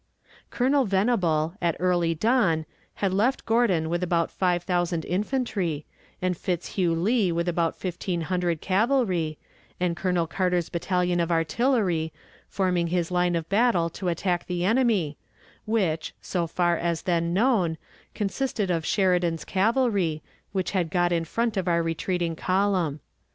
Colonel Venable, at early dawn, had left Gordon with about five thousand infantry, and Fitzhugh Lee with about fifteen hundred cavalry, and Colonel Carter's battalion of artillery, forming his line of battle to attack the enemy, which, so far as then known, consisted of Sheridan's cavalry, which had got in front of our retreating column.